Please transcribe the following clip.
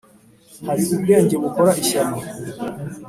Hari ubwenge bukora ishyano,